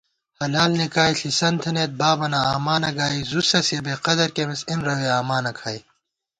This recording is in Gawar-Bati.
حلال نېکائے ݪِسَنت تھنَئیت بابَنہ آمانہ گائی * زُوسَسِیَہ بېقدر کېمېس اېَنرَوے آمانہ کھائی